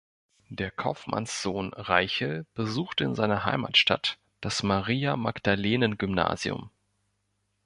Der Kaufmannssohn Reichel besuchte in seiner Heimatstadt das Maria-Magdalenen-Gymnasium.